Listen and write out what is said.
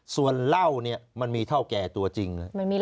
ส่วนเหล้าเนี่ยมันมีเท่าแก่ตัวจริง